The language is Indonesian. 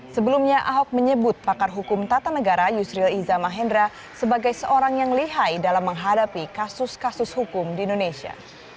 sebelumnya ahok menyebut pakar hukum tata negara yusril iza mahendra sebagai seorang yang lihai dalam menghadapi kasus kasus hukum di indonesia